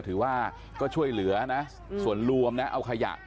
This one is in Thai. ถือว่าก็ช่วยเหลือนะส่วนรวมนะเอาขยะ